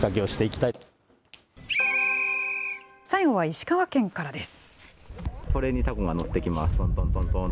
最後は石川県からです。